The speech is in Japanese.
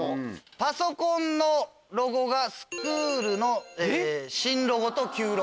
パソコンのロゴが『スクール』の新ロゴと旧ロゴ。